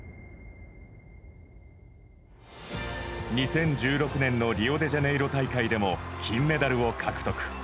２０１６年のリオデジャネイロ大会でも金メダルを獲得。